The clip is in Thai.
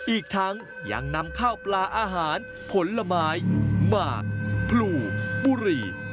อีกทั้งยังนำข้าวปลาอาหารผลไม้หมากพลูบุรี